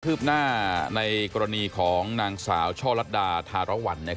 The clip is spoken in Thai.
ืบหน้าในกรณีของนางสาวช่อลัดดาธารวรรณ